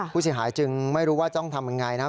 ผู้เสียหายจึงไม่รู้ว่าต้องทำยังไงนะครับ